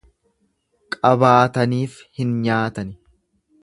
Qabaataniif hin nyaatani.